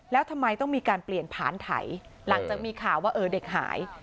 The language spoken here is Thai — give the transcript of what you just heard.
แล้วทำไมต้องมีการเปลี่ยนผ่านไถหลังจากมีข่าวว่าเออเด็กหาย